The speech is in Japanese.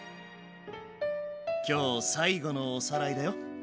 今日最後のおさらいだよ。